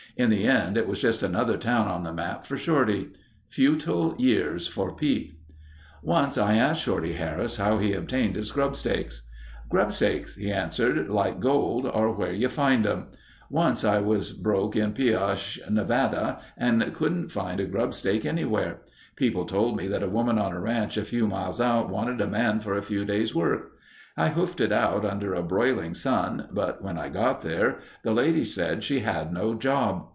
In the end it was just another town on the map for Shorty. Futile years for Pete. Once I asked Shorty Harris how he obtained his grubstakes. "Grubstakes," he answered, "like gold, are where you find them. Once I was broke in Pioche, Nev., and couldn't find a grubstake anywhere. Somebody told me that a woman on a ranch a few miles out wanted a man for a few days' work. I hoofed it out under a broiling sun, but when I got there, the lady said she had no job.